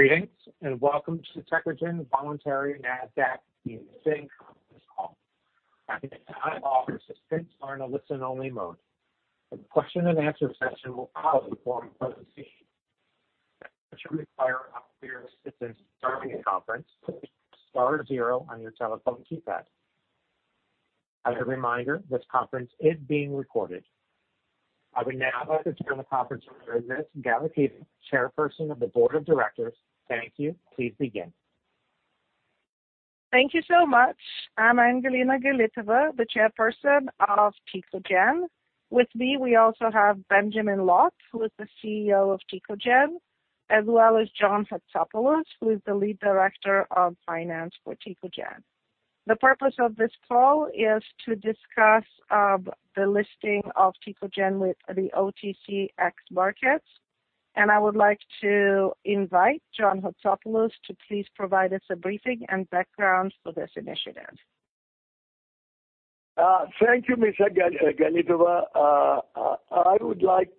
Greetings, and welcome to Tecogen's voluntary NASDAQ delisting conference call. At this time all participants are in a listen-only mode. A question and answer session will follow the formal presentation. If you require operator assistance during the conference, please press star zero on your telephone keypad. As a reminder, this conference is being recorded. I would now like to turn the conference over to Ms. Galiteva, Chairperson of the Board of Directors. Thank you. Please begin. Thank you so much. I am Angelina Galiteva, the Chairperson of Tecogen. With me, we also have Benjamin M. Locke, who is the CEO of Tecogen, as well as John N. Hatsopoulos, who is the Lead Director of Finance for Tecogen. The purpose of this call is to discuss the listing of Tecogen with the OTCQX markets. I would like to invite John N. Hatsopoulos to please provide us a briefing and background for this initiative. Thank you, Ms. Galiteva. I would like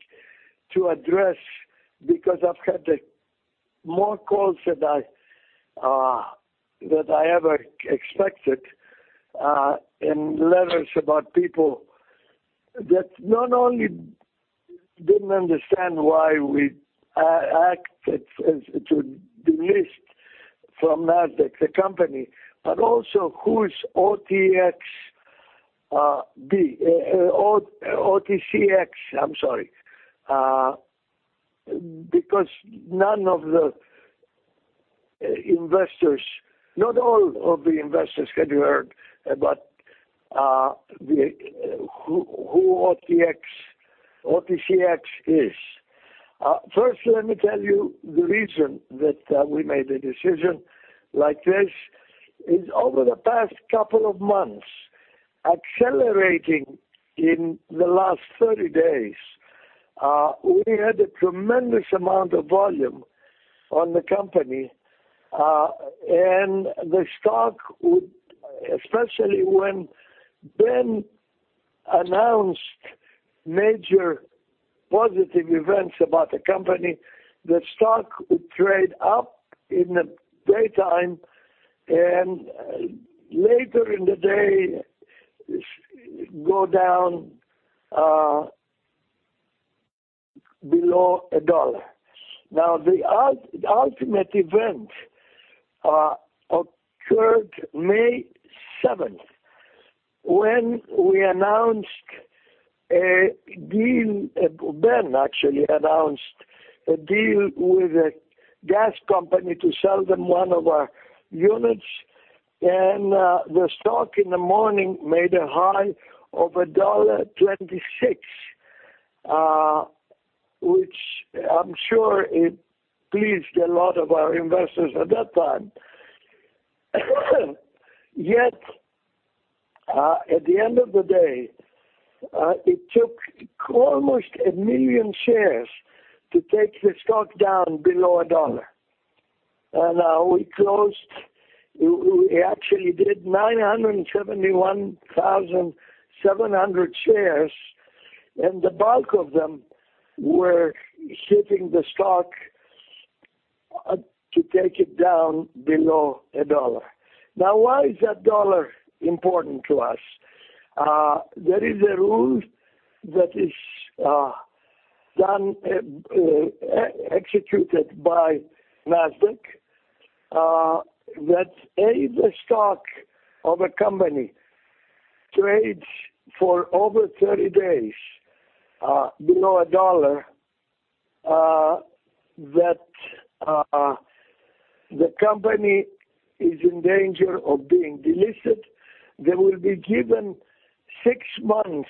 to address, because I have had more calls than I ever expected and letters about people that not only did not understand why we acted as to delist from NASDAQ, the company, but also who is OTCQX. Because none of the investors, not all of the investors had heard about who OTCQX is. First, let me tell you the reason that we made a decision like this is over the past couple of months, accelerating in the last 30 days, we had a tremendous amount of volume on the company. The stock would, especially when Ben announced major positive events about the company, the stock would trade up in the daytime and later in the day, go down below $1. Now, the ultimate event occurred May 7th when we announced a deal, Ben actually announced a deal with a gas company to sell them one of our units. The stock in the morning made a high of $1.26, which I am sure it pleased a lot of our investors at that time. Yet, at the end of the day, it took almost 1 million shares to take the stock down below $1. And we closed, we actually did 971,700 shares, and the bulk of them were hitting the stock to take it down below $1. Now, why is that $1 important to us? There is a rule that is executed by NASDAQ that if a stock of a company trades for over 30 days below $1 that the company is in danger of being delisted. They will be given 6 months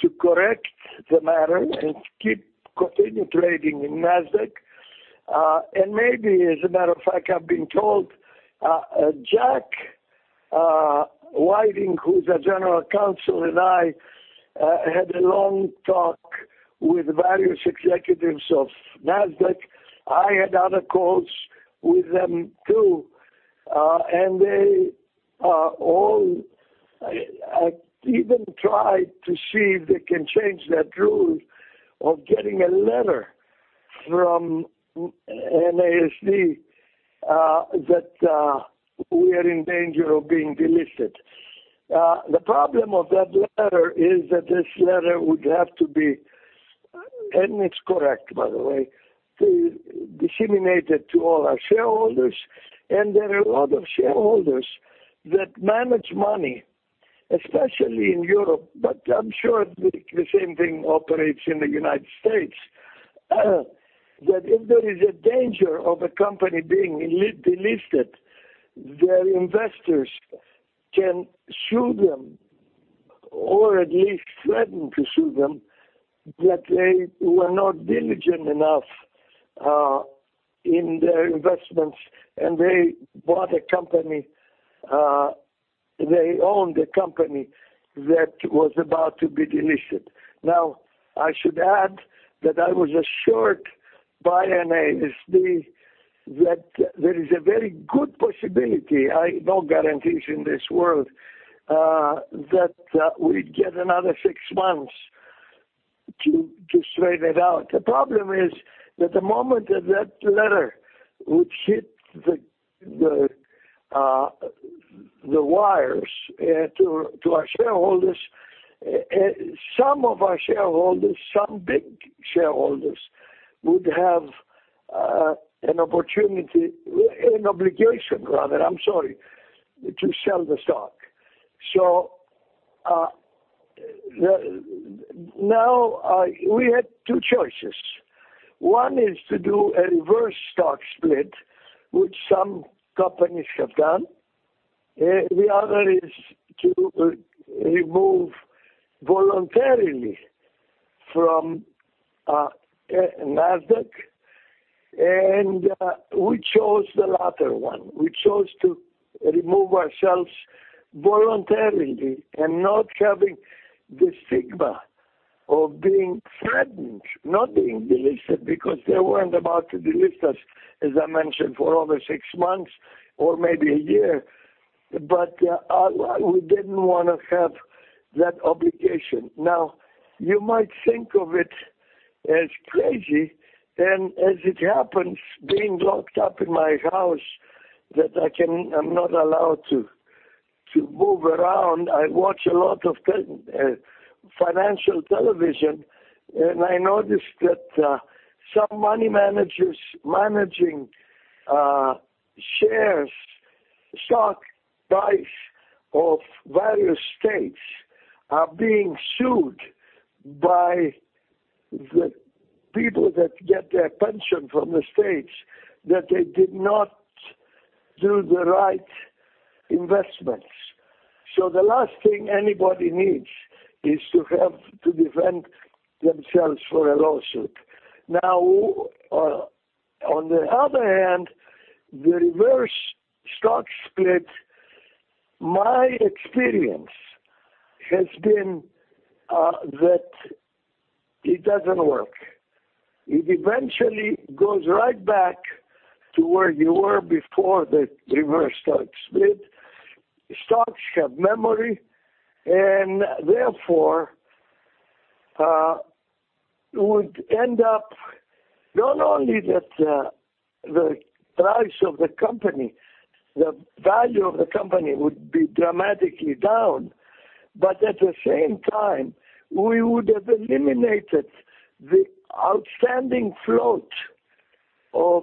to correct the matter and keep continuing trading in NASDAQ. Maybe, as a matter of fact, I've been told, Jack Whiting, who's a General Counsel, and I had a long talk with various executives of NASDAQ. I had other calls with them, too. They even tried to see if they can change that rule of getting a letter from NASD that we are in danger of being delisted. The problem of that letter is that this letter would have to be, and it's correct, by the way, disseminated to all our shareholders. There are a lot of shareholders that manage money, especially in Europe, but I'm sure the same thing operates in the U.S., that if there is a danger of a company being delisted, their investors can sue them or at least threaten to sue them, that they were not diligent enough in their investments and they bought a company, they owned a company that was about to be delisted. I should add that I was assured by NASD, that there is a very good possibility, no guarantees in this world, that we'd get another 6 months to straighten it out. The problem is that the moment that that letter would hit the wires to our shareholders, some of our shareholders, some big shareholders, would have an obligation to sell the stock. Now we had two choices. One is to do a reverse stock split, which some companies have done. The other is to remove voluntarily from NASDAQ. We chose the latter one. We chose to remove ourselves voluntarily and not having the stigma of being threatened, not being delisted, because they weren't about to delist us, as I mentioned, for over 6 months or maybe a year. We didn't want to have that obligation. You might think of it as crazy, and as it happens, being locked up in my house, that I'm not allowed to move around, I watch a lot of financial television and I noticed that some money managers managing shares, stock price of various states are being sued by the people that get their pension from the states that they did not do the right investments. The last thing anybody needs is to have to defend themselves for a lawsuit. On the other hand, the reverse stock split, my experience has been that it doesn't work. It eventually goes right back to where you were before the reverse stock split. Stocks have memory and therefore would end up not only that the price of the company, the value of the company would be dramatically down, but at the same time, we would have eliminated the outstanding float of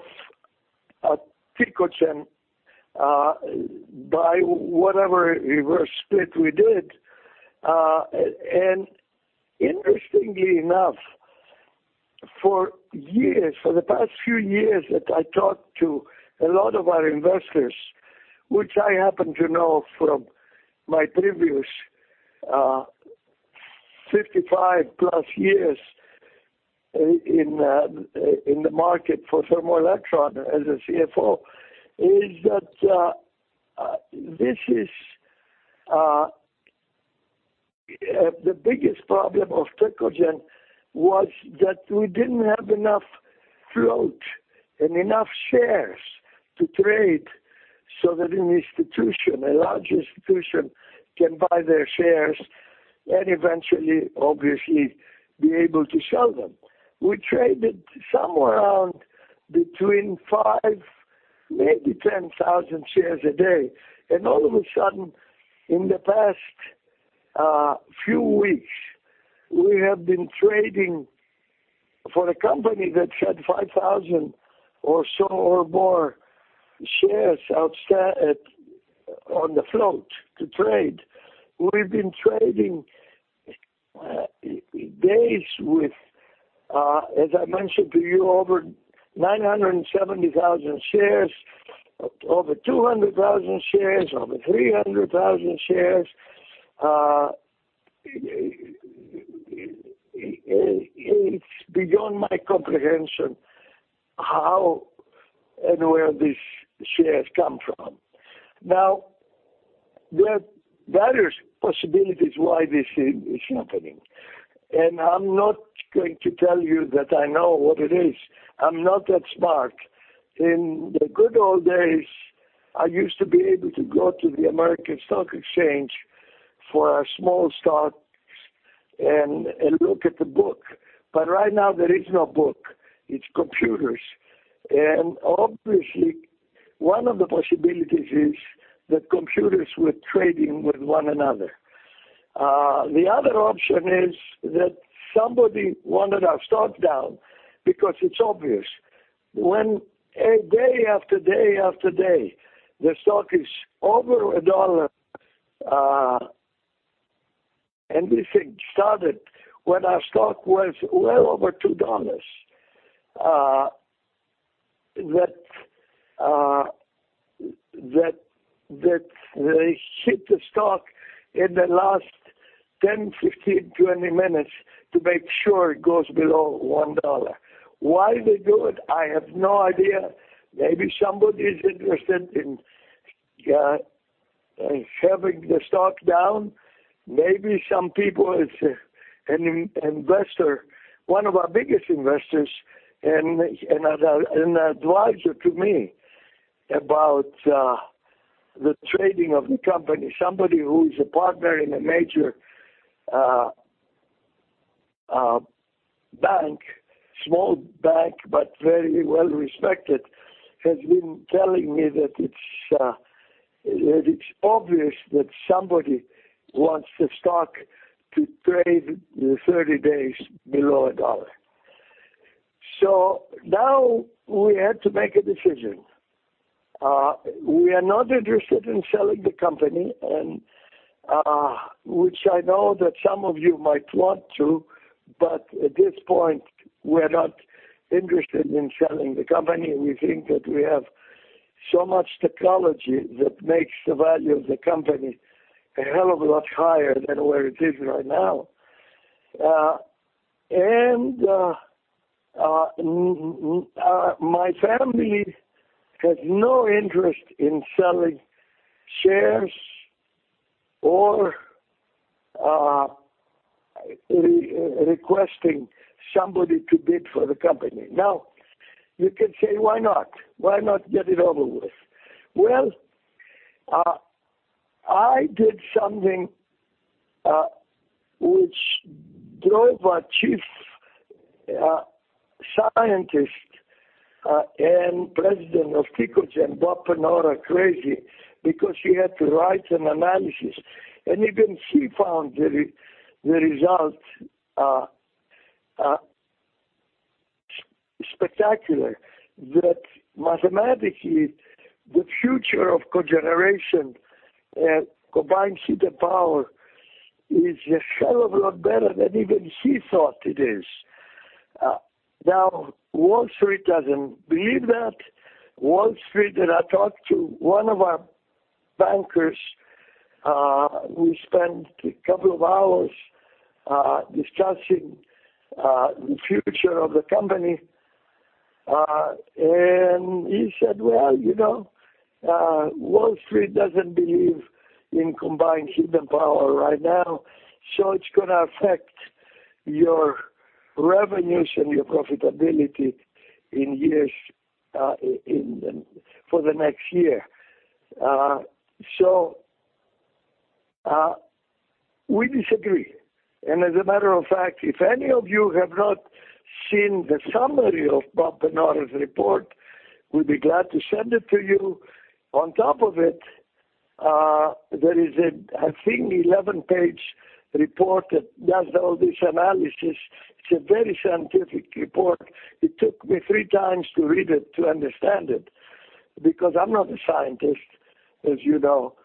Tecogen by whatever reverse split we did. Interestingly enough, for the past few years that I talked to a lot of our investors, which I happen to know from my previous 55+ years in the market for Thermo Electron as a CFO, is that the biggest problem of Tecogen was that we didn't have enough float and enough shares to trade so that an institution, a large institution, can buy their shares and eventually, obviously, be able to sell them. We traded somewhere around between 5,000, maybe 10,000 shares a day. All of a sudden, in the past few weeks, we have been trading for a company that had 5,000 or so or more shares on the float to trade. We've been trading days with, as I mentioned to you, over 970,000 shares, over 200,000 shares, over 300,000 shares. It's beyond my comprehension how and where these shares come from. There are various possibilities why this is happening. I'm not going to tell you that I know what it is. I'm not that smart. In the good old days, I used to be able to go to the American Stock Exchange for a small stock and look at the book. Right now there is no book. It's computers. Obviously, one of the possibilities is that computers were trading with one another. The other option is that somebody wanted our stock down because it's obvious. When day after day after day, the stock is over $1, and this thing started when our stock was well over $2, that they hit the stock in the last 10, 15, 20 minutes to make sure it goes below $1. Why they do it, I have no idea. Maybe somebody's having the stock down, maybe some people, an investor, one of our biggest investors and an advisor to me about the trading of the company, somebody who's a partner in a major bank, small bank, but very well-respected, has been telling me that it's obvious that somebody wants the stock to trade the 30 days below $1. Now we had to make a decision. We are not interested in selling the company, which I know that some of you might want to, but at this point, we're not interested in selling the company. We think that we have so much technology that makes the value of the company a hell of a lot higher than where it is right now. My family has no interest in selling shares or requesting somebody to bid for the company. You can say, "Why not? Why not get it over with?" I did something which drove our chief scientist and President of Tecogen, Bob Panara, crazy because he had to write an analysis. Even he found the result spectacular, that mathematically, the future of cogeneration and combined heat and power is a hell of a lot better than even he thought it is. Wall Street doesn't believe that. Wall Street and I talked to one of our bankers. We spent a couple of hours discussing the future of the company and he said, "Wall Street doesn't believe in combined heat and power right now, so it's going to affect your revenues and your profitability for the next year." We disagree. As a matter of fact, if any of you have not seen the summary of Bob Panara's report, we'd be glad to send it to you. On top of it, there is an, I think, 11-page report that does all this analysis. It's a very scientific report. It took me three times to read it to understand it because I'm not a scientist, as you know.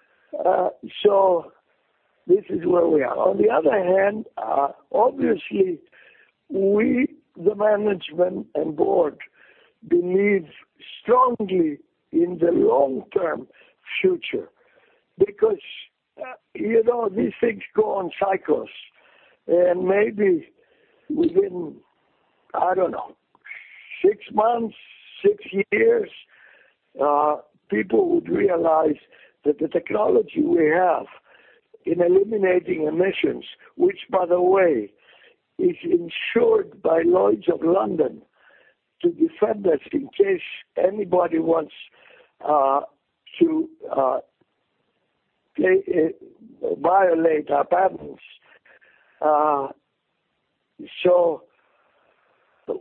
This is where we are. On the other hand, obviously, we, the management and board, believe strongly in the long-term future because these things go on cycles. Maybe within, I don't know, six months, six years, people would realize that the technology we have in eliminating emissions, which by the way, is insured by Lloyd's of London to defend us in case anybody wants to violate our patents.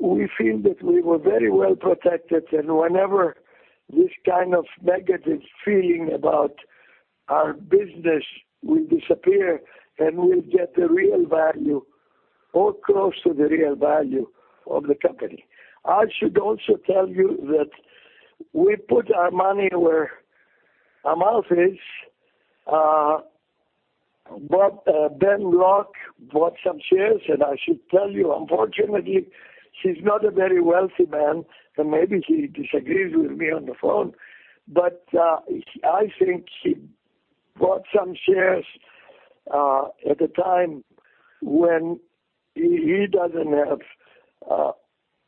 We feel that we were very well-protected and whenever this kind of negative feeling about our business will disappear, then we'll get the real value or close to the real value of the company. I should also tell you that we put our money where our mouth is. Ben Locke bought some shares, and I should tell you, unfortunately, he's not a very wealthy man, and maybe he disagrees with me on the phone, but I think he bought some shares at a time when he doesn't have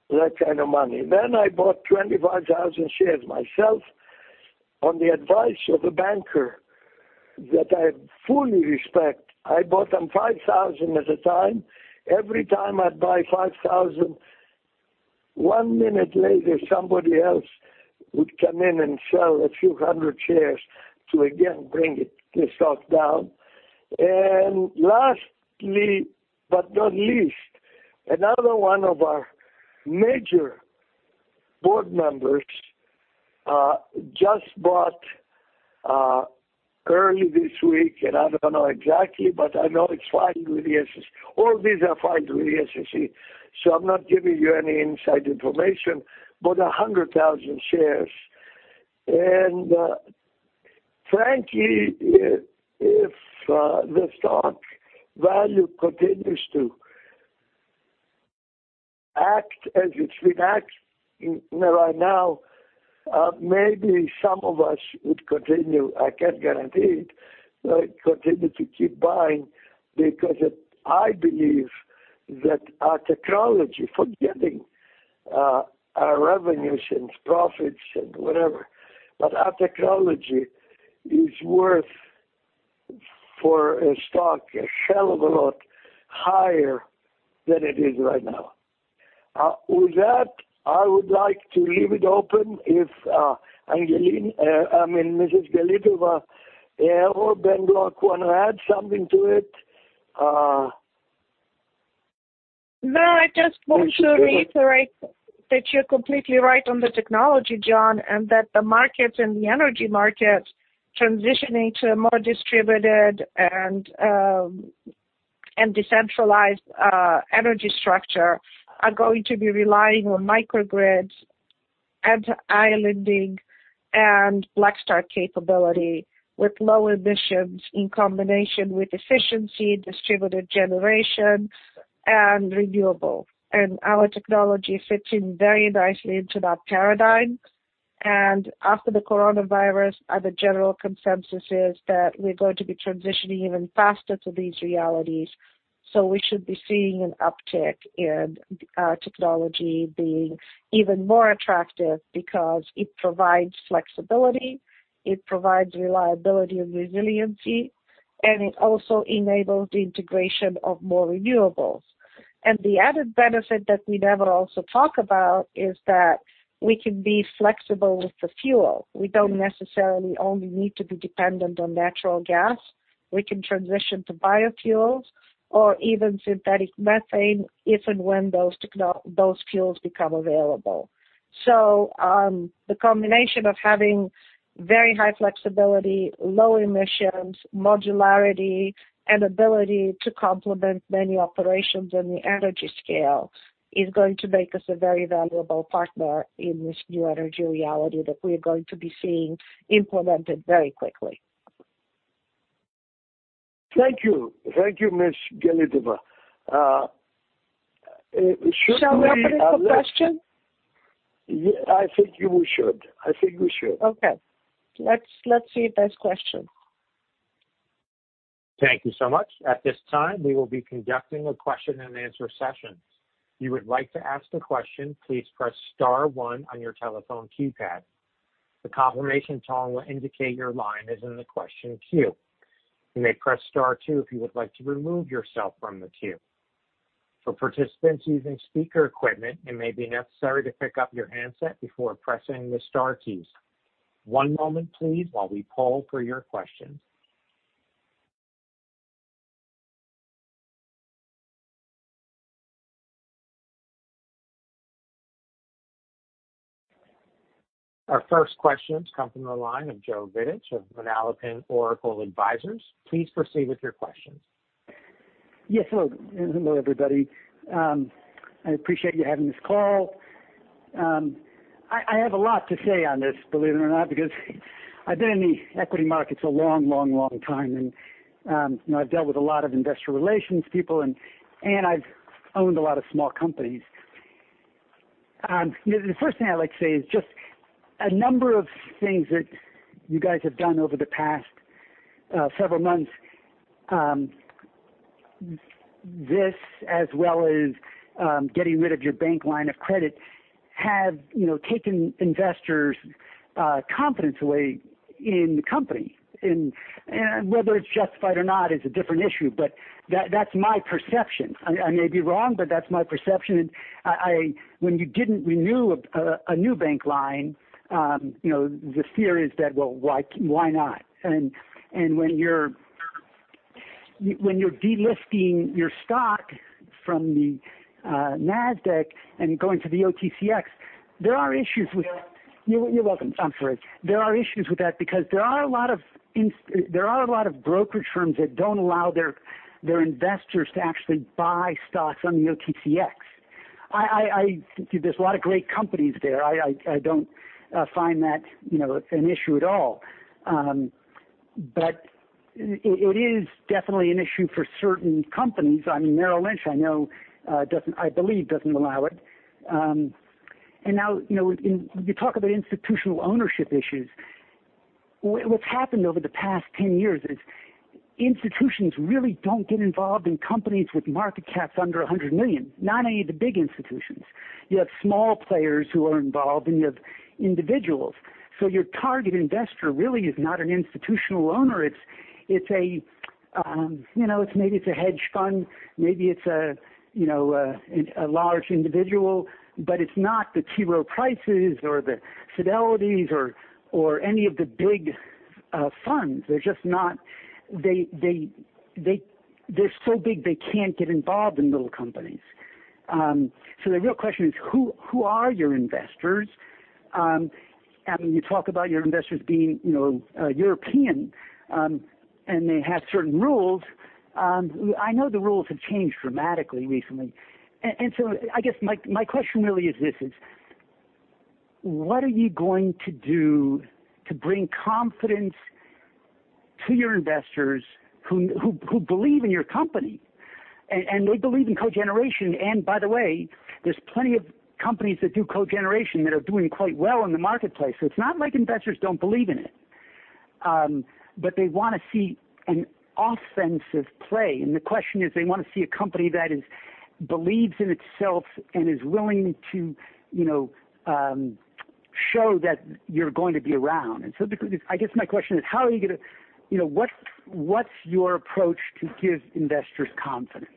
that kind of money. Then I bought 25,000 shares myself on the advice of a banker that I fully respect. I bought them 5,000 at a time. Every time I'd buy 5,000, one minute later, somebody else would come in and sell a few hundred shares to again bring the stock down. Lastly but not least, another one of our major board members just bought early this week, and I don't know exactly, but I know it's filed with the SEC. All these are filed with the SEC, so I'm not giving you any inside information, but 100,000 shares. Frankly, if the stock value continues to act as it's been acting right now, maybe some of us would continue, I can't guarantee it, but continue to keep buying because I believe that our technology, forgetting Our revenues and profits and whatever, but our technology is worth for a stock a hell of a lot higher than it is right now. With that, I would like to leave it open if Mrs. Galitova or Ben Locke want to add something to it. No, I just want to reiterate that you're completely right on the technology, John, that the markets and the energy markets transitioning to a more distributed and decentralized energy structure are going to be relying on microgrids and islanding and black start capability with low emissions in combination with efficiency, distributed generation, and renewable. Our technology fits in very nicely into that paradigm. After the coronavirus, the general consensus is that we're going to be transitioning even faster to these realities. We should be seeing an uptick in our technology being even more attractive because it provides flexibility, it provides reliability and resiliency, and it also enables the integration of more renewables. The added benefit that we never also talk about is that we can be flexible with the fuel. We don't necessarily only need to be dependent on natural gas. We can transition to biofuels or even synthetic methane if and when those fuels become available. The combination of having very high flexibility, low emissions, modularity, and ability to complement many operations in the energy scale is going to make us a very valuable partner in this new energy reality that we're going to be seeing implemented very quickly. Thank you. Thank you, Ms. Galiteva. Shall we open it for questions? I think we should. Okay. Let's see if there's questions. Thank you so much. At this time, we will be conducting a question and answer session. If you would like to ask a question, please press star one on your telephone keypad. The confirmation tone will indicate your line is in the question queue. You may press star two if you would like to remove yourself from the queue. For participants using speaker equipment, it may be necessary to pick up your handset before pressing the star keys. One moment please while we poll for your questions. Our first questions come from the line of Joe Vidich of Manalapan Oracle Advisors. Please proceed with your questions. Yes. Hello. Hello, everybody. I appreciate you having this call. I have a lot to say on this, believe it or not, because I've been in the equity markets a long time, and I've dealt with a lot of industrial relations people, and I've owned a lot of small companies. The first thing I'd like to say is just a number of things that you guys have done over the past several months. This as well as getting rid of your bank line of credit have taken investors' confidence away in the company. Whether it's justified or not is a different issue, but that's my perception. I may be wrong, but that's my perception. When you didn't renew a new bank line, the fear is that, well, why not? When you're delisting your stock from the NASDAQ and going to the OTCQX, there are issues with- Joe. You're welcome. I'm sorry. There are issues with that because there are a lot of brokerage firms that don't allow their investors to actually buy stocks on the OTCQX. There's a lot of great companies there. I don't find that an issue at all. It is definitely an issue for certain companies. I mean, Merrill Lynch, I believe, doesn't allow it. Now, you talk about institutional ownership issues. What's happened over the past 10 years is institutions really don't get involved in companies with market caps under $100 million, not only the big institutions. You have small players who are involved, and you have individuals. Your target investor really is not an institutional owner. Maybe it's a hedge fund, maybe it's a large individual, but it's not the T. Rowe Price or the Fidelity or any of the big funds. They're so big they can't get involved in little companies. The real question is who are your investors? You talk about your investors being European, they have certain rules. I know the rules have changed dramatically recently. I guess my question really is this, what are you going to do to bring confidence to your investors who believe in your company? They believe in cogeneration, by the way, there's plenty of companies that do cogeneration that are doing quite well in the marketplace. It's not like investors don't believe in it. They want to see an offensive play. The question is, they want to see a company that believes in itself and is willing to show that you're going to be around. Because I guess my question is what's your approach to give investors confidence?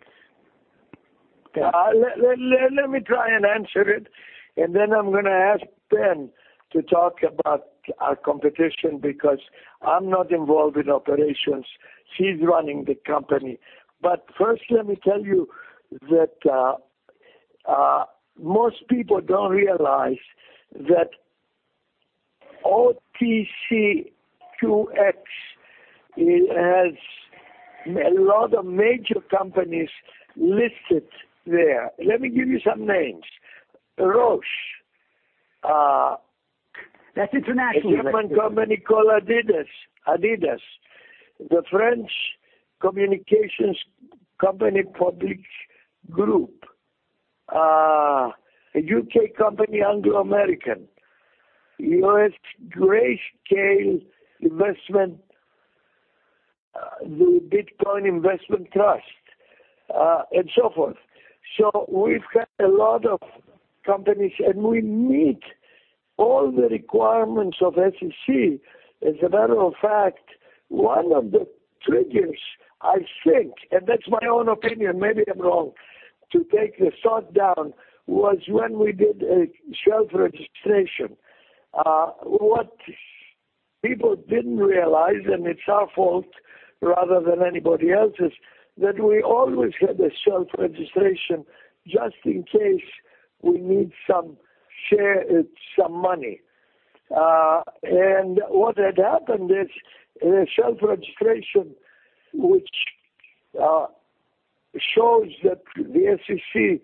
Let me try and answer it, then I'm going to ask Ben to talk about our competition because I'm not involved in operations. He's running the company. First let me tell you that most people don't realize that OTCQX has a lot of major companies listed there. Let me give you some names. Roche. That's international. A German company called Adidas. The French communications company, Publicis Groupe. A U.K. company, Anglo American. U.S. Grayscale Investments, the Grayscale Bitcoin Trust, so forth. We've got a lot of companies, we meet all the requirements of SEC. As a matter of fact, one of the triggers, I think, that's my own opinion, maybe I'm wrong, to take the stock down was when we did a shelf registration. What people didn't realize, it's our fault rather than anybody else's, that we always had a shelf registration just in case we need some money. What had happened is a shelf registration, which shows that the SEC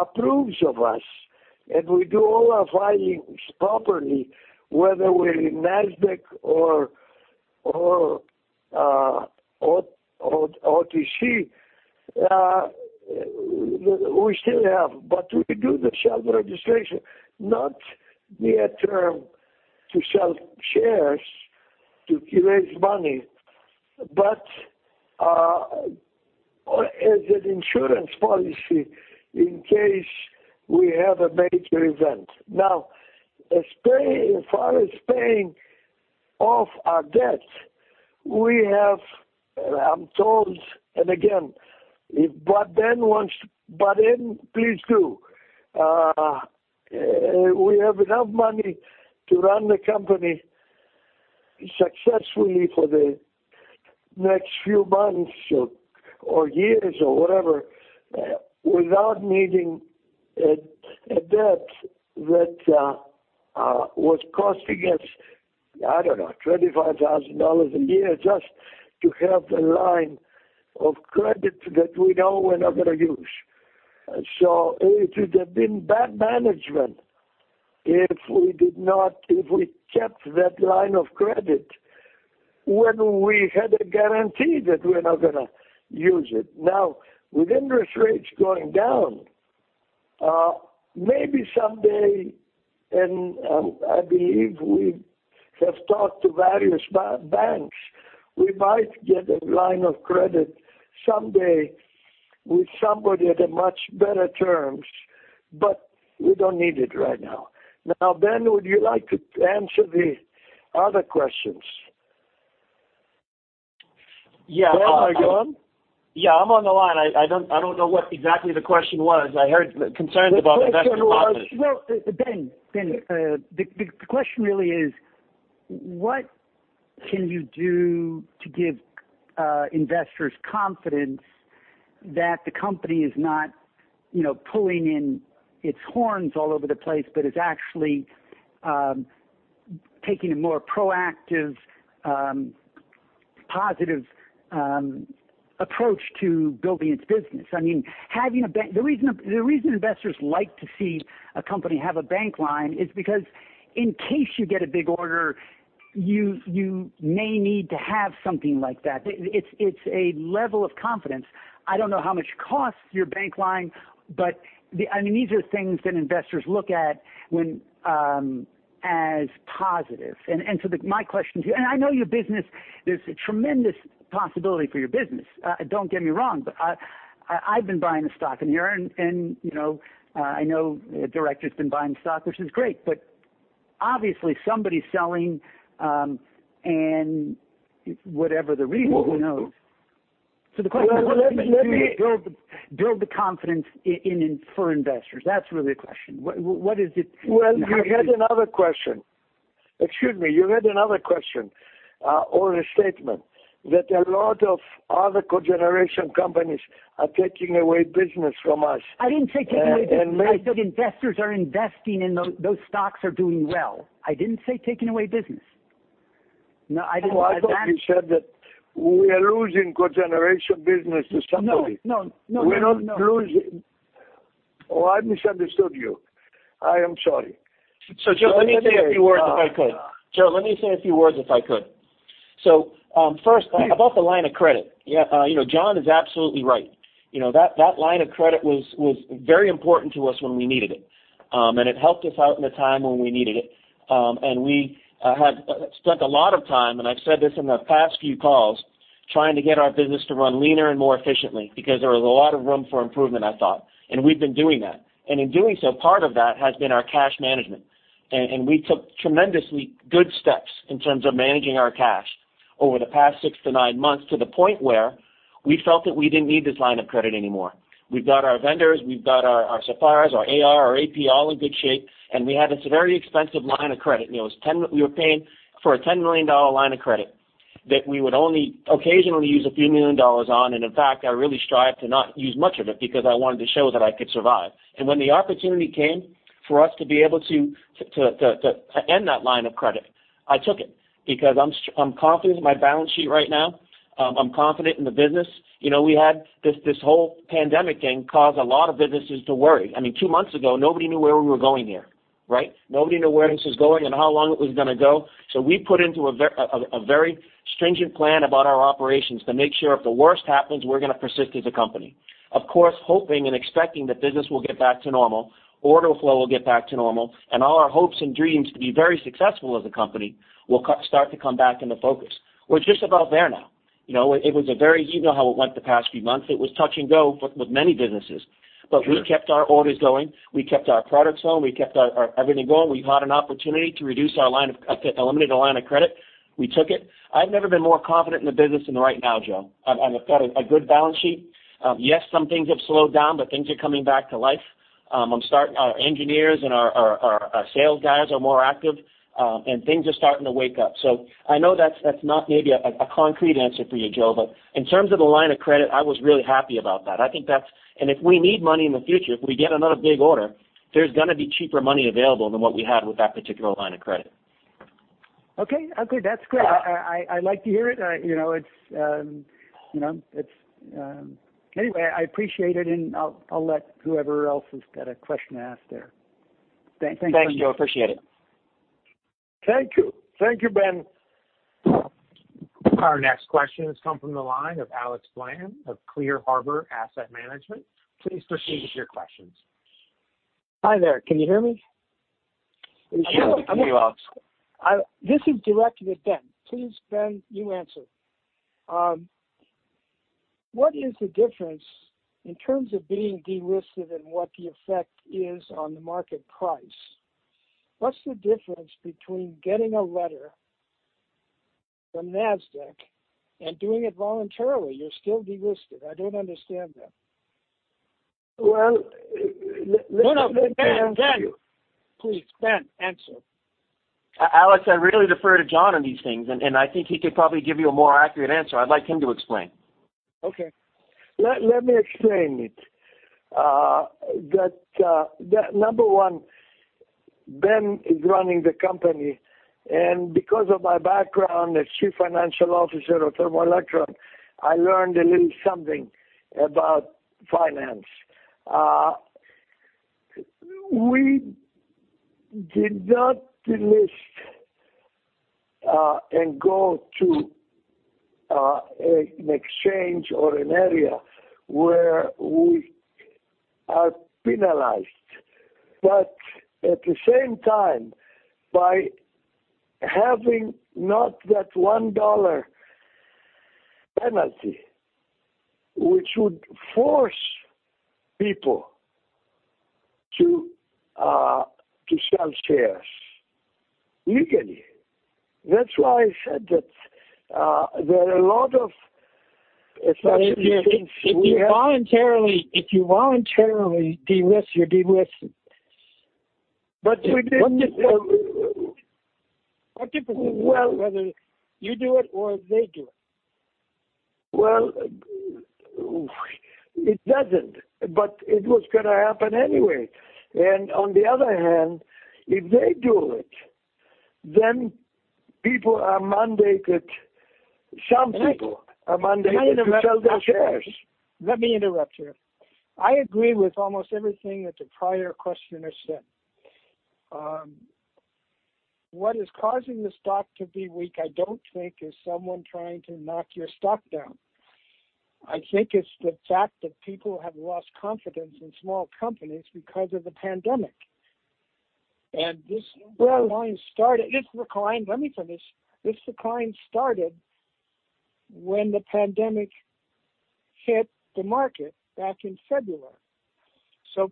approves of us and we do all our filings properly, whether we're in Nasdaq or OTC, we still have. We do the shelf registration not near term to sell shares to raise money, but as an insurance policy in case we have a major event. As far as paying off our debt, we have, I'm told, and again, if Ben wants to butt in, please do. We have enough money to run the company successfully for the next few months or years or whatever without needing a debt that was costing us, I don't know, $25,000 a year just to have a line of credit that we know we're not going to use. It would have been bad management if we kept that line of credit when we had a guarantee that we're not going to use it. With interest rates going down, maybe someday, and I believe we have talked to various banks, we might get a line of credit someday with somebody at a much better terms, but we don't need it right now. Ben, would you like to answer the other questions? Yeah. Am I going? Yeah, I'm on the line. I don't know what exactly the question was. I heard concerns about investor confidence. Well, Ben, the question really is what can you do to give investors confidence that the company is not pulling in its horns all over the place, but is actually taking a more proactive, positive approach to building its business? The reason investors like to see a company have a bank line is because in case you get a big order, you may need to have something like that. It's a level of confidence. I don't know how much it costs your bank line, but these are things that investors look at as positive. I know there's a tremendous possibility for your business, don't get me wrong. I've been buying the stock in here and I know a director's been buying stock, which is great, but obviously somebody's selling, and whatever the reason, who knows? The question is. Well, build the confidence for investors. That's really the question. What is it? Well, you had another question. Excuse me, you had another question, or a statement that a lot of other cogeneration companies are taking away business from us. I didn't say taking away business. I said investors are investing and those stocks are doing well. I didn't say taking away business. No, I didn't. Oh, I thought you said that we are losing cogeneration business to somebody. No, no. We're not losing. Oh, I misunderstood you. I am sorry. Joe, let me say a few words if I could. First, about the line of credit, John is absolutely right That line of credit was very important to us when we needed it. It helped us out in a time when we needed it. We have spent a lot of time, and I've said this in the past few calls, trying to get our business to run leaner and more efficiently because there was a lot of room for improvement, I thought. We've been doing that. In doing so, part of that has been our cash management. We took tremendously good steps in terms of managing our cash over the past six to nine months, to the point where we felt that we didn't need this line of credit anymore. We've got our vendors, we've got our suppliers, our AR, our AP, all in good shape. We had this very expensive line of credit. We were paying for a $10 million line of credit that we would only occasionally use a few million dollars on. In fact, I really strived to not use much of it because I wanted to show that I could survive. When the opportunity came for us to be able to end that line of credit, I took it because I'm confident in my balance sheet right now. I'm confident in the business. We had this whole pandemic thing caused a lot of businesses to worry. Two months ago, nobody knew where we were going here. Right? Nobody knew where this was going and how long it was going to go. We put into a very stringent plan about our operations to make sure if the worst happens, we're going to persist as a company. Of course, hoping and expecting that business will get back to normal, order flow will get back to normal, and all our hopes and dreams to be very successful as a company will start to come back into focus. We're just about there now. You know how it went the past few months. It was touch and go with many businesses. Sure. We kept our orders going. We kept our products going. We kept everything going. We had an opportunity to eliminate a line of credit. We took it. I've never been more confident in the business than right now, Joe. I've got a good balance sheet. Yes, some things have slowed down, but things are coming back to life. Our engineers and our sales guys are more active. Things are starting to wake up. I know that's not maybe a concrete answer for you, Joe, but in terms of the line of credit, I was really happy about that. If we need money in the future, if we get another big order, there's going to be cheaper money available than what we had with that particular line of credit. Okay. That's great. I like to hear it. Anyway, I appreciate it. I'll let whoever else has got a question ask there. Thanks. Thanks, Joe. Appreciate it. Thank you. Thank you, Ben. Our next question has come from the line of Alex Blanton of Clear Harbor Asset Management. Please proceed with your questions. Hi there. Can you hear me? Yes, we can hear you, Alex Blanton. This is directed at Ben. Please, Ben, you answer. What is the difference in terms of being delisted and what the effect is on the market price? What's the difference between getting a letter from NASDAQ and doing it voluntarily? You're still delisted. I don't understand that. Well, let me answer you. No, no, Ben. Please, Ben, answer. Alex, I really defer to John on these things, and I think he could probably give you a more accurate answer. I'd like him to explain. Okay. Let me explain it. That number 1, Ben is running the company, and because of my background as Chief Financial Officer of Thermo Electron, I learned a little something about finance. We did not delist and go to an exchange or an area where we are penalized. At the same time, by having not that $1 penalty, which would force people to sell shares legally. That's why I said that there are a lot of associated things we have. If you voluntarily delist, you're delisted. We didn't. What's the difference whether you do it or they do it? Well, it doesn't, but it was going to happen anyway. On the other hand, if they do it, some people are mandated to sell their shares. Let me interrupt you. I agree with almost everything that the prior questioner said. What is causing the stock to be weak, I don't think is someone trying to knock your stock down. I think it's the fact that people have lost confidence in small companies because of the pandemic. This decline started. Well- Let me finish. This decline started when the pandemic hit the market back in February.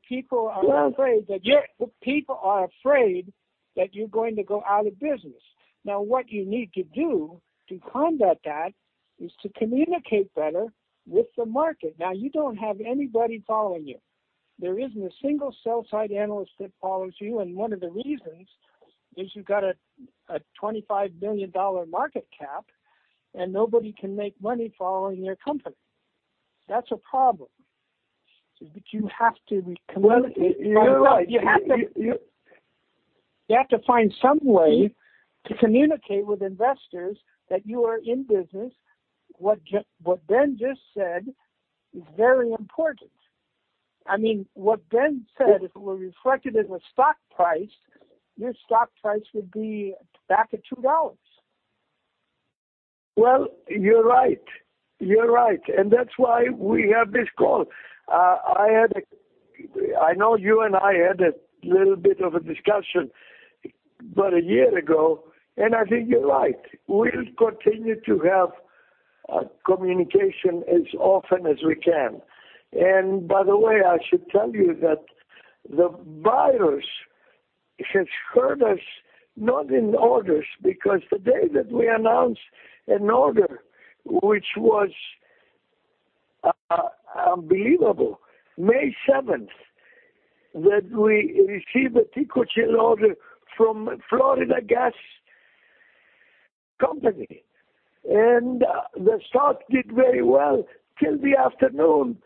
People are afraid that. Well- People are afraid that you're going to go out of business. What you need to do to combat that is to communicate better with the market. You don't have anybody following you. There isn't a single sell-side analyst that follows you, and one of the reasons is you've got a $25 billion market cap, and nobody can make money following your company. That's a problem. You have to communicate. Well, you're right. You have to find some way to communicate with investors that you are in business. What Ben just said is very important. What Ben said, if it were reflected in the stock price, your stock price would be back at $2. Well, you're right. That's why we have this call. I know you and I had a little bit of a discussion about a year ago, and I think you're right. We'll continue to have communication as often as we can. By the way, I should tell you that the virus has hurt us, not in orders, because the day that we announced an order, which was unbelievable, May 7th, that we received a Tecogen order from Florida City Gas. The stock did very well till the afternoon.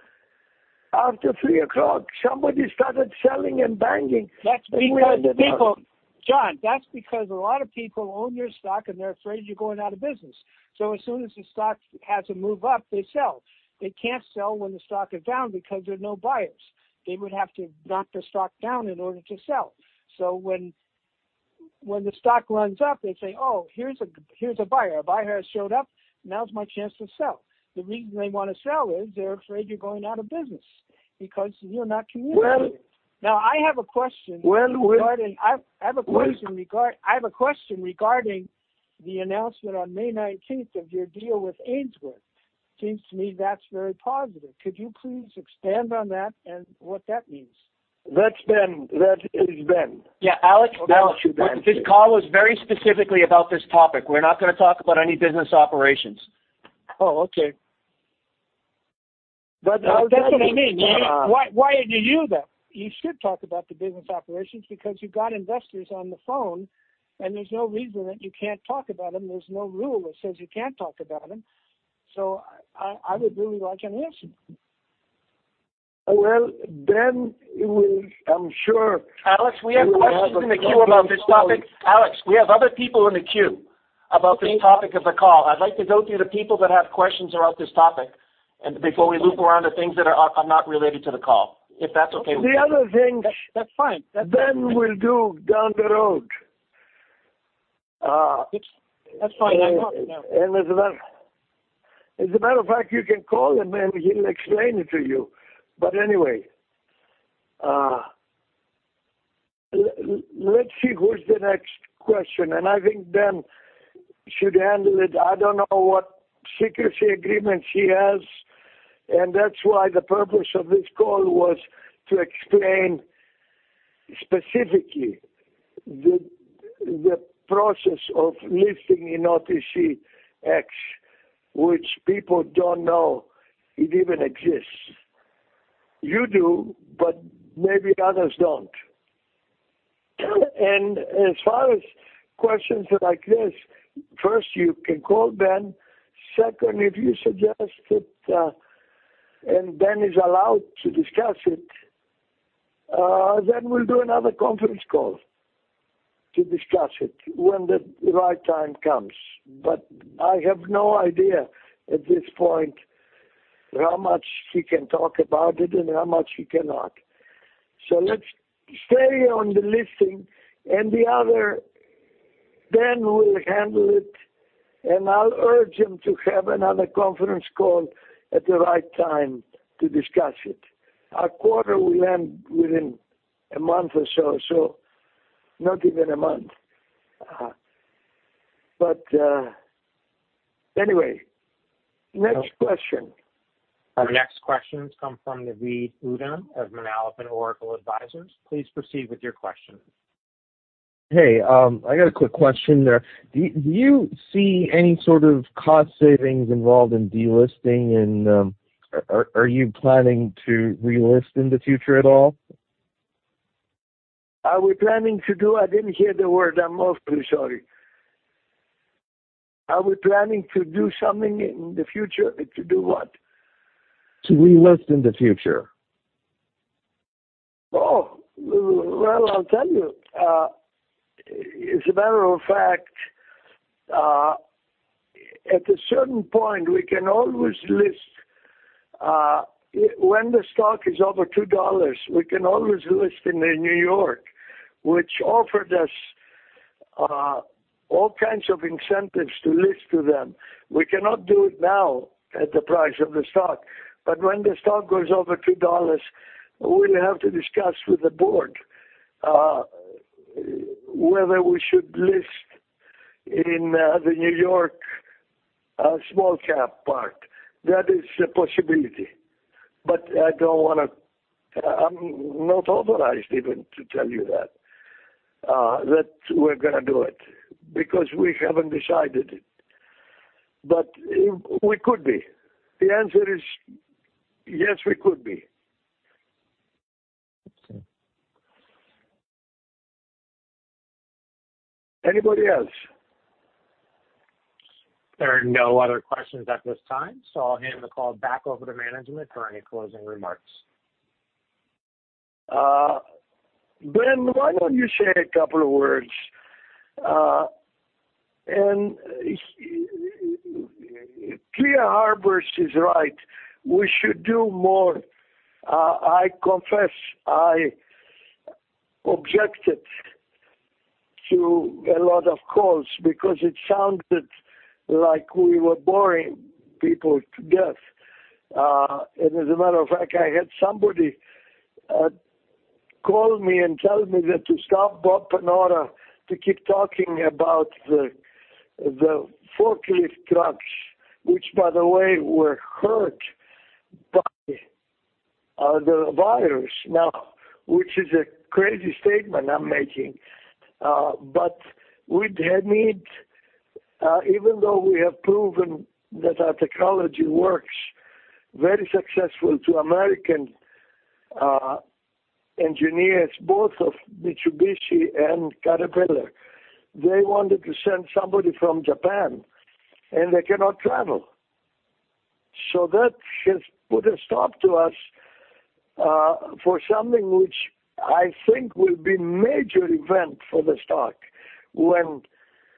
After 3:00, somebody started selling and banging. That's because people- We ended up- John, that's because a lot of people own your stock and they're afraid you're going out of business. As soon as the stock has a move up, they sell. They can't sell when the stock is down because there are no buyers. They would have to knock the stock down in order to sell. When the stock runs up, they say, "Oh, here's a buyer. A buyer has showed up. Now's my chance to sell." The reason they want to sell is they're afraid you're going out of business because you're not communicating. Well- Now, I have a question- Well. I have a question regarding the announcement on May 19th of your deal with Ainsworth. Seems to me that's very positive. Could you please expand on that and what that means? That's Ben. That is Ben. Yeah, Alex. This call was very specifically about this topic. We're not going to talk about any business operations. Oh, okay. I'll tell you- That's what I mean. Why did you do that? You should talk about the business operations because you've got investors on the phone, and there's no reason that you can't talk about them. There's no rule that says you can't talk about them. I would really like an answer. Well, Ben will, I'm sure- Alex, we have questions in the queue about this topic. Alex, we have other people in the queue about this topic of the call. I'd like to go to the people that have questions about this topic and before we loop around to things that are not related to the call, if that's okay with you. That's fine. Ben will do down the road. That's fine. I'm talking now. Anyway, as a matter of fact, you can call him and he'll explain it to you. Let's see who's the next question, and I think Ben should handle it. I don't know what secrecy agreements he has, and that's why the purpose of this call was to explain specifically the process of listing in OTCQX, which people don't know it even exists. You do, but maybe others don't. As far as questions like this, first, you can call Ben. Second, if you suggest it, Ben is allowed to discuss it, then we'll do another conference call to discuss it when the right time comes. I have no idea at this point how much he can talk about it and how much he cannot. Let's stay on the listing and the other, Ben will handle it, and I'll urge him to have another conference call at the right time to discuss it. Our quarter will end within a month or so, not even a month. Anyway, next question. Our next question comes from Naveed Uddin of Manalapan Oracle Advisors. Please proceed with your question. Hey, I got a quick question there. Do you see any sort of cost savings involved in delisting? Are you planning to relist in the future at all? Are we planning to do I didn't hear the word. I'm awfully sorry. Are we planning to do something in the future, to do what? To relist in the future. Well, I'll tell you. As a matter of fact, at a certain point, we can always list, when the stock is over $2, we can always list in the New York, which offered us all kinds of incentives to list to them. We cannot do it now at the price of the stock. When the stock goes over $2, we'll have to discuss with the board whether we should list in the New York small cap part. That is a possibility. I'm not authorized even to tell you that we're going to do it because we haven't decided it. We could be. The answer is yes, we could be. Anybody else? There are no other questions at this time, I'll hand the call back over to management for any closing remarks. Ben, why don't you say a couple of words? Clear Harbor is right. We should do more. I confess I objected to a lot of calls because it sounded like we were boring people to death. As a matter of fact, I had somebody call me and tell me that to stop Bob Panora to keep talking about the forklift trucks, which, by the way, were hurt by the virus. Now, which is a crazy statement I'm making. We had need, even though we have proven that our technology works very successfully to American engineers, both of Mitsubishi and Caterpillar. They wanted to send somebody from Japan, and they cannot travel. That has put a stop to us for something which I think will be major event for the stock when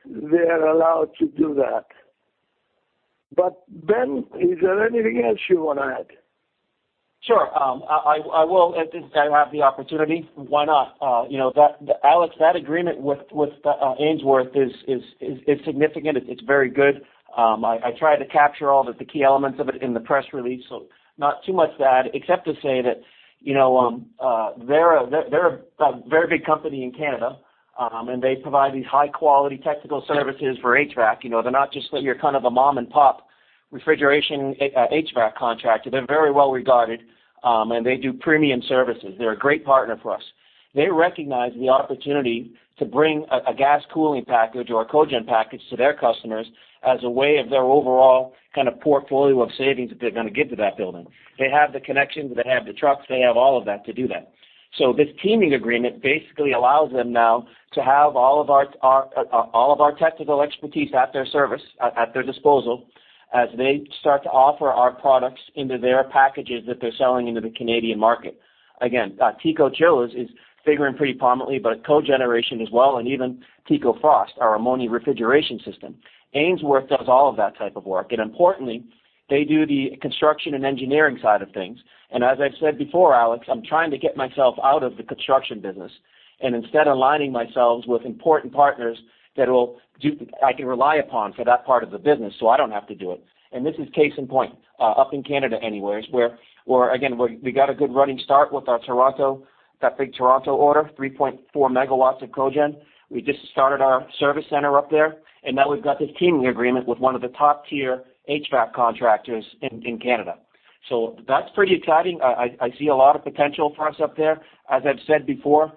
they're allowed to do that. Ben, is there anything else you want to add? Sure. I will, and since I have the opportunity, why not? Alex, that agreement with Ainsworth is significant. It's very good. I tried to capture all the key elements of it in the press release, not too much to add, except to say that they're a very big company in Canada. They provide these high-quality technical services for HVAC. They're not just your kind of a mom-and-pop refrigeration HVAC contractor. They're very well-regarded, and they do premium services. They're a great partner for us. They recognize the opportunity to bring a gas cooling package or a cogen package to their customers as a way of their overall kind of portfolio of savings that they're going to give to that building. They have the connections, they have the trucks, they have all of that to do that. This teaming agreement basically allows them now to have all of our technical expertise at their service, at their disposal, as they start to offer our products into their packages that they're selling into the Canadian market. Again, TECOCHILL is figuring pretty prominently, cogeneration as well, and even Tecofrost, our ammonia refrigeration system. Ainsworth does all of that type of work, and importantly, they do the construction and engineering side of things. As I've said before, Alex, I'm trying to get myself out of the construction business, instead aligning myself with important partners that I can rely upon for that part of the business, so I don't have to do it. This is case in point, up in Canada anyways, where again, we got a good running start with our Toronto, that big Toronto order, 3.4 megawatts of cogen. We just started our service center up there, and now we've got this teaming agreement with one of the top-tier HVAC contractors in Canada. That's pretty exciting. I see a lot of potential for us up there. As I've said before,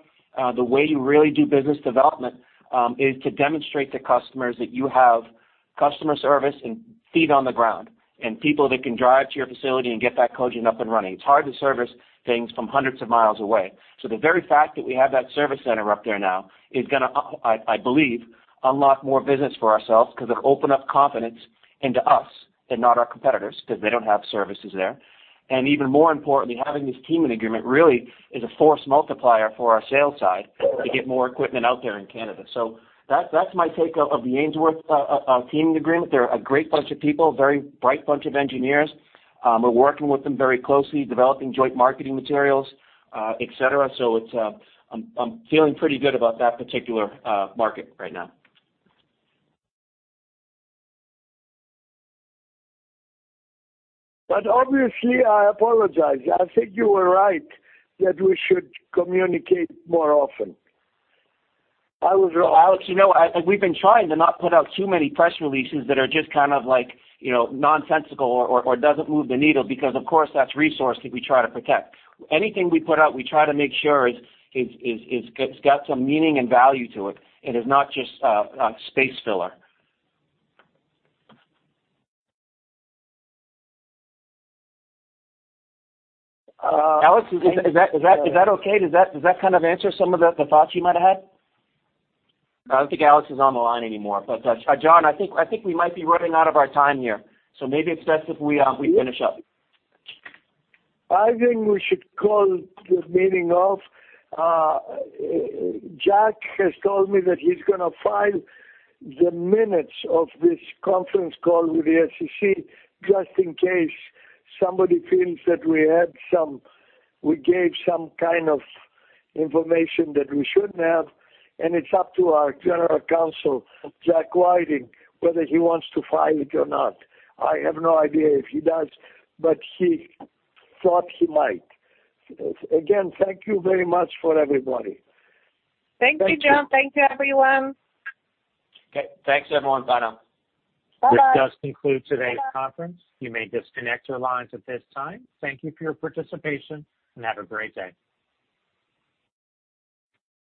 the way you really do business development is to demonstrate to customers that you have customer service and feet on the ground, and people that can drive to your facility and get that cogen up and running. It's hard to service things from hundreds of miles away. The very fact that we have that service center up there now is going to, I believe, unlock more business for ourselves because it'll open up confidence into us and not our competitors because they don't have services there. Even more importantly, having this teaming agreement really is a force multiplier for our sales side to get more equipment out there in Canada. That's my take of the Ainsworth teaming agreement. They're a great bunch of people, very bright bunch of engineers. We're working with them very closely, developing joint marketing materials, et cetera. I'm feeling pretty good about that particular market right now. Obviously, I apologize. I think you were right that we should communicate more often. Alex, we've been trying to not put out too many press releases that are just kind of nonsensical or doesn't move the needle because of course that's resource that we try to protect. Anything we put out, we try to make sure it's got some meaning and value to it and is not just space filler. Alex, is that okay? Does that kind of answer some of the thoughts you might have had? I don't think Alex is on the line anymore, John, I think we might be running out of our time here. Maybe it's best if we finish up. I think we should call this meeting off. Jack has told me that he's going to file the minutes of this conference call with the SEC, just in case somebody feels that we gave some kind of information that we shouldn't have. It's up to our general counsel, Jack Whiting, whether he wants to file it or not. I have no idea if he does, but he thought he might. Again, thank you very much for everybody. Thank you, John. Thank you, everyone. Okay. Thanks, everyone. Bye now. Bye-bye. This does conclude today's conference. You may disconnect your lines at this time. Thank you for your participation and have a great day.